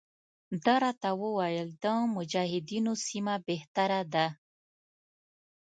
ده راته وویل چې د مجاهدینو سیمه بهتره ده.